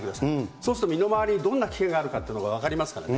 そうすると身の回りにどんな危険があるかというのが分かりますからね。